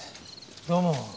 どうも。